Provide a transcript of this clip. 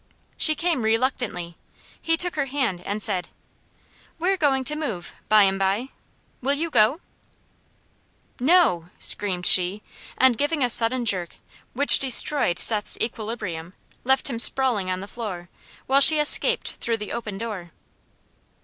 She came reluctantly. He took her hand and said: "We're going to move, by 'm bye; will you go?" "No!" screamed she; and giving a sudden jerk which destroyed Seth's equilibrium, left him sprawling on the floor, while she escaped through the open door.